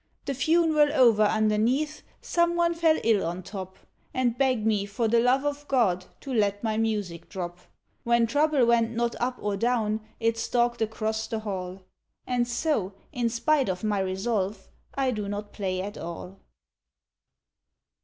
The funeral over underneath, some one fell ill on top, And begged me, for the love of God, to let my music drop. When trouble went not up or down, it stalked across the hall, And so in spite of my resolve, I do not play at all.